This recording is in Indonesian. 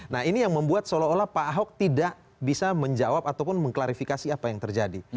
nah ini yang membuat seolah olah pak ahok tidak bisa menjawab ataupun mengklarifikasi apa yang terjadi